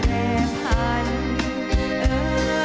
เสียงรัก